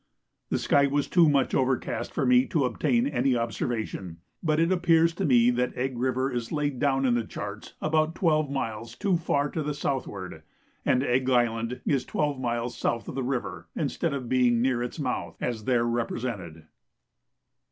The sky was too much overcast for me to obtain any observation, but it appears to me that Egg River is laid down in the charts about 12 miles too far to the southward, and Egg Island is 12 miles south of the river instead of being near its mouth, as there represented.